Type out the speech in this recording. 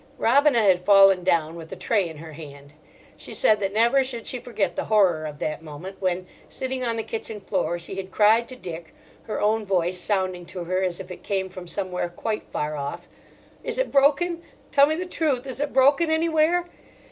Robina had fallen down with a tray in her hand. She said that never should she forget the horror of that moment, when, sitting on the kitchen floor, she had cried to Dick—her own voice sounding to her as if it came from somewhere quite far off: "Is it broken? Tell me the truth. Is it broken anywhere?"